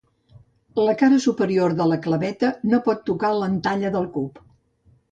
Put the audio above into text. La cara superior de la claveta no pot tocar l'entalla del cub.